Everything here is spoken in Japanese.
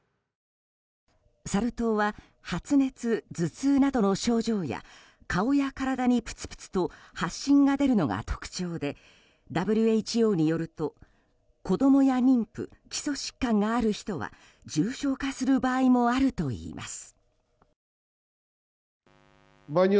サル痘は発熱・頭痛などの症状や顔や体にぷつぷつと発疹が出るのが特徴でＷＨＯによると子供や妊婦、基礎疾患のある人は重症化する場合もあるといいます。